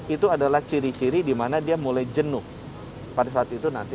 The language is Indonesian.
itu adalah ciri ciri di mana dia mulai jenuh pada saat itu nanti